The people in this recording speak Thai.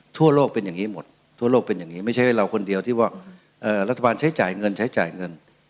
ทั่วโลกเป็นอย่างนี้หมดทั่วโลกเป็นอย่างนี้ไม่ใช่ว่าเราคนเดียวที่ว่ารัฐบาลใช้จ่ายเงินใช้จ่ายเงิน